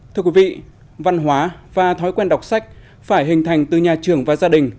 thưa quý vị văn hóa và thói quen đọc sách phải hình thành từ nhà trường và gia đình